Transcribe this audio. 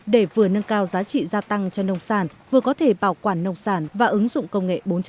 để vừa nâng cao giá trị gia tăng cho nông sản vừa có thể bảo quản nông sản và ứng dụng công nghệ bốn